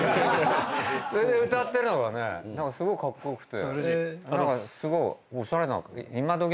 それで歌ってるのがすごいカッコ良くて。